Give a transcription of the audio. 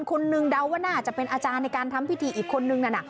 คนนึงเดาว่าน่าจะเป็นอาจารย์ในการทำพิธีอีกคนนึงนั่นน่ะ